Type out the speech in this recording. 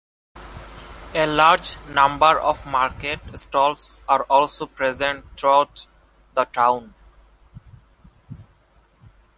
A large number of market stalls are also present throughout the town.